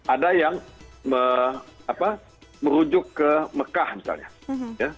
ada yang merujuk ke mekah misalnya